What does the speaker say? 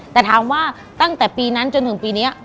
แต่ถามว่าตั้งแต่ปีนั้นจนถึงปีนี้มันลดลงไว้